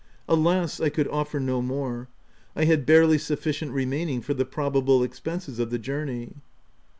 Alas ! I could offer no more : I had barely sufficient remaining for the probable expenses of the journey.